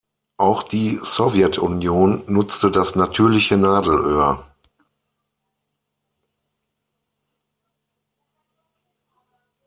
Auch die Sowjetunion nutzte das natürliche Nadelöhr.